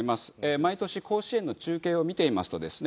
毎年甲子園の中継を見ていますとですね